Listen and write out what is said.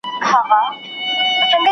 ¬ بد په بلا اخته ښه دئ.